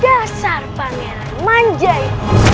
dasar pangeran manjai